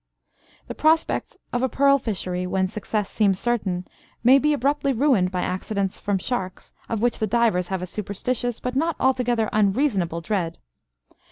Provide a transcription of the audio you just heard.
The prospects of a pearl fishery, when success seems certain, may be abruptly ruined by accidents from sharks, of which the divers have a superstitious, but not altogether unreasonable, dread.